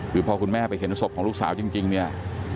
คือพอคุณแม่ไปเห็นศพของลูกสาวจริงเนี่ย